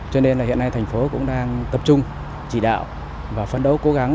cho nên là hiện nay thành phố cũng đang tập trung chỉ đạo và phấn đấu cố gắng